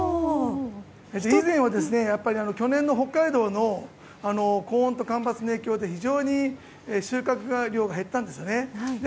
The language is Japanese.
以前は去年の北海道の高温と干ばつの影響で非常に収穫量が減ったんですね。